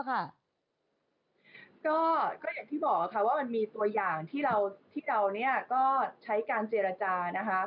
ก็อย่างที่บอกค่ะว่ามันมีตัวอย่างที่เราก็ใช้การเจรจานะคะ